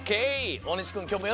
大西くんきょうもよろしくね。